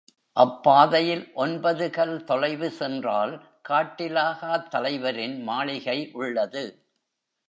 அப்பாதையில் ஒன்பது கல் தொலைவு சென்றால் காட்டிலாகாத் தலைவரின் மாளிகை உள்ளது.